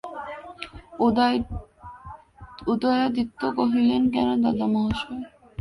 উদয়াদিত্য কহিলেন, কেন দাদামহাশয়?